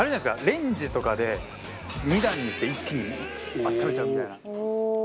レンジとかで２段にして一気に温めちゃうみたいな。